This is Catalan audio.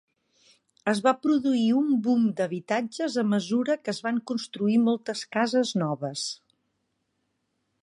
Es va produir un boom d'habitatges a mesura que es van construir moltes cases noves.